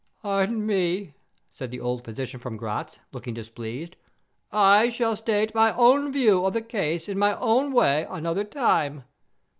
"'Pardon me,' said the old physician from Gratz, looking displeased, 'I shall state my own view of the case in my own way another time.